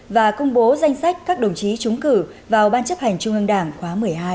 và công bố danh sách các đồng chí trúng cử vào ban chấp hành trung ương đảng khóa một mươi hai